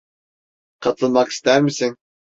Katılmak ister misin?